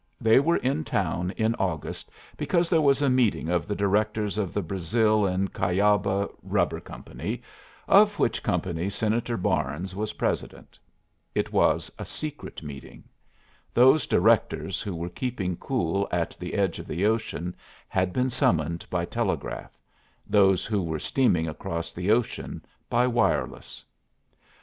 They were in town in August because there was a meeting of the directors of the Brazil and Cuyaba Rubber Company, of which company Senator Barnes was president. It was a secret meeting. Those directors who were keeping cool at the edge of the ocean had been summoned by telegraph; those who were steaming across the ocean, by wireless.